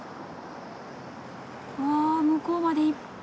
わ向こうまでいっぱい。